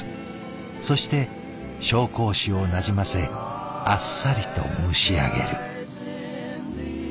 そして紹興酒をなじませあっさりと蒸し上げる。